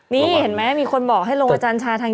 นี่เห็นไหมมีคนบอกให้ลงอาจารย์ชาทาง